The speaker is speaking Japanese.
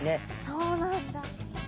そうなんだ。